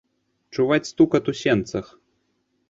Чуваць стукат у сенцах.